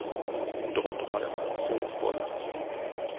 Dort war er Fraktionsvorsitzender.